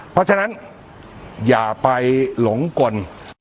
เพราะฉะนั้นอย่าไปหลงกล